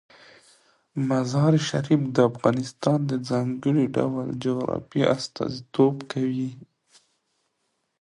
مزارشریف د افغانستان د ځانګړي ډول جغرافیه استازیتوب کوي.